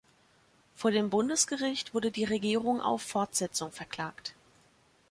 Vor dem Bundesgericht wurde die Regierung auf Fortsetzung verklagt.